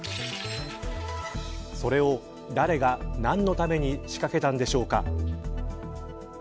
それを誰が何のために仕掛けたんでしょうか。